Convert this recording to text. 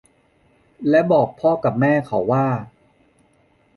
และบอกพ่อกับแม่เขาว่า